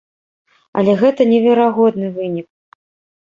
Але гэта неверагодны вынік.